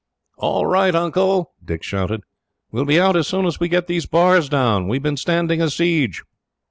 "All right, Uncle," Dick shouted, "we will be out as soon as we get these bars down. We have been standing a siege."